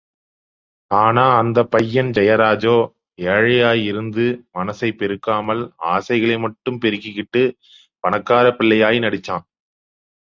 ஆனா, அந்தப் பையன் ஜெயராஜோ ஏழையாய் இருந்து, மனசைப் பெருக்காமல் ஆசைகளை மட்டும் பெருக்கிக்கிட்டு, பணக்காரப் பிள்ளையாய் நடிச்சான்!